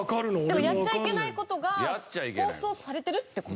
でもやっちゃいけない事が放送されてるって事ですよね？